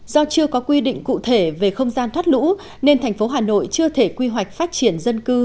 do chưa có quy định cụ thể về không gian thoát lũ nên thành phố hà nội chưa thể quy hoạch phát triển dân cư